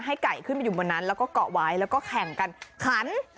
ไก่ขึ้นมาอยู่บนนั้นแล้วก็เกาะไว้แล้วก็แข่งกันขัน